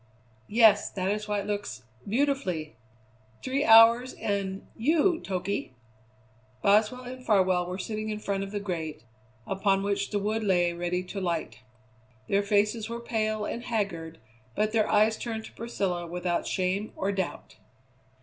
"Yes, that is why it looks beautifully. Three hours and you, Toky!" Boswell and Farwell were sitting in front of the grate, upon which the wood lay ready to light. Their faces were pale and haggard, but their eyes turned to Priscilla without shame or doubt.